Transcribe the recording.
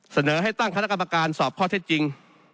เสนอให้ตั้งคณะกรรมการสอบข้อเท็จจริง